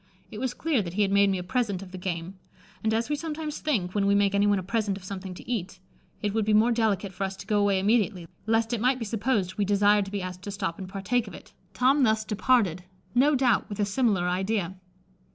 It was clear that he had made me a present of the game; and, as we sometimes think, when we make anyone a present of something to eat, it would be more delicate for us to go away immediately, lest it might be supposed we desired to be asked to stop and partake of it, Tom thus departed, no doubt with a similar idea.